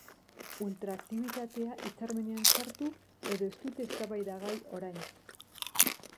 Ultraaktibitatea hitzarmenean sartu edo ez dute eztabaidagai orain.